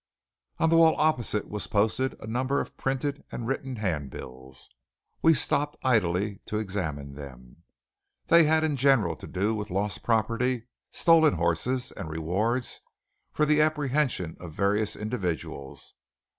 On the wall opposite was posted a number of printed and written handbills. We stopped idly to examine them. They had in general to do with lost property, stolen horses, and rewards for the apprehension of various individuals.